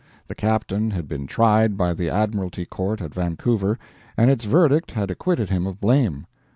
The captain had been tried by the Admiralty Court at Vancouver, and its verdict had acquitted him of blame.